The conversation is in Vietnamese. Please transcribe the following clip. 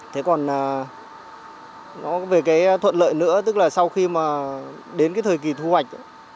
thế còn nó về cái thuận lợi nữa tức là sau khi mà đến cái thời kỳ thu hoạch